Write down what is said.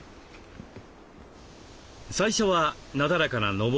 最初はなだらかなのぼり道。